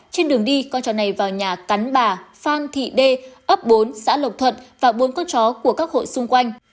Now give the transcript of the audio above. trên đường đi con chó này vào nhà cắn bà phang thị đê ấp bốn xã lộc thuận và bốn con chó của các hội xung quanh